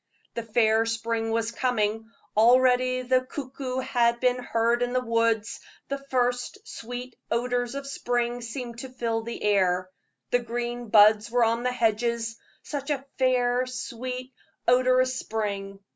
The fair spring was coming; already the cuckoo had been heard in the woods; the first sweet odors of spring seemed to fill the air; the green buds were on the hedges such a fair, sweet, odorous spring.